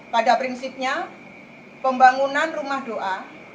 pada prinsipnya pembangunan rumah doa